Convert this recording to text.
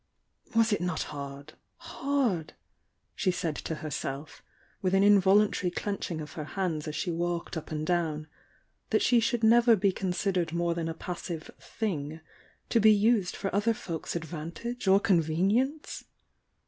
Was =t not hard,— hard! she said to herself, with an mvolun tary clenching of her hands as she walked up and down, that she should never be considered more than a passive "thing" to be used for other folks' advan tage or convenience?